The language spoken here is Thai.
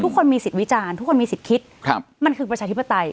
คนมีสิทธิ์วิจารณ์ทุกคนมีสิทธิ์คิดมันคือประชาธิปไตย